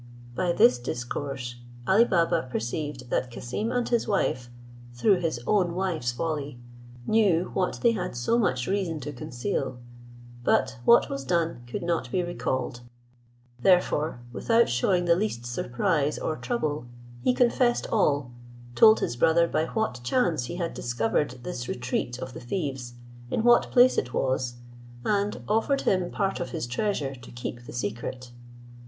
By this discourse, Ali Baba perceived that Cassim and his wife, through his own wife's folly, knew what they had so much reason to conceal; but what was done could not be recalled; therefore, without shewing the least surprise or trouble, he confessed all, told his brother by what chance he had discovered this retreat of the thieves, in what place it was; and offered him part of his treasure to keep the secret.